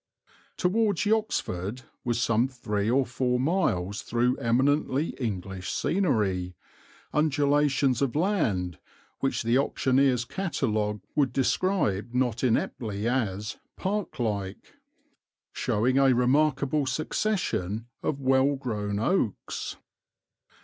Towards Yoxford was some three or four miles through eminently English scenery, undulations of land, which the auctioneer's catalogue would describe not ineptly as "park like," showing a remarkable succession of well grown oaks.